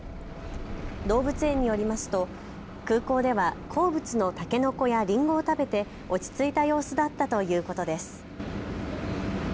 動物園によりますと空港では好物のタケノコやリンゴを食べて落ち着いた様子だったということです。